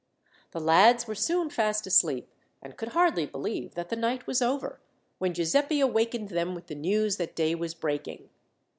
The lads were soon fast asleep, and could hardly believe that the night was over, when Giuseppi awakened them with the news that day was breaking.